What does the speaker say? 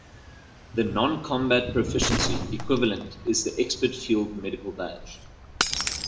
The non-combat proficiency equivalent is the Expert Field Medical Badge.